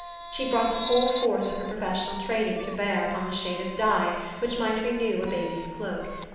She brought the whole force of her profes sional training to bear upon the shade of d} T e which might renew a baby's cloak.